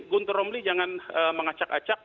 guntur romli jangan mengacak acak